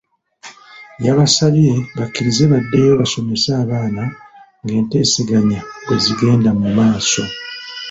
Yabasabye bakkirize baddeyo basomese abaana ng'enteeseganya bwe zigenda mu maaso.